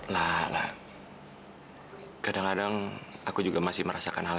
lihat andri sekarang hidup bahagia bersama dewi